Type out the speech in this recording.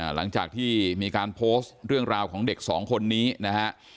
หลังจากที่มีการโพสต์เรื่องราวของเด็กสองคนนี้นะฮะ